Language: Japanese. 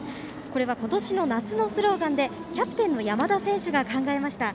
これは今年の夏のスローガンでキャプテンの山田選手が考えました。